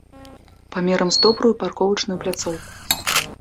Памерам з добрую парковачную пляцоўку.